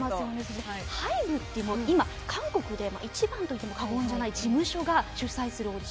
ＨＹＢＥってもう今韓国で一番と言っても過言じゃない事務所が主催するオーディション。